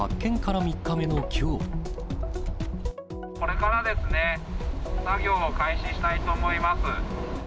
これからですね、作業を開始したいと思います。